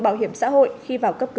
bảo hiểm xã hội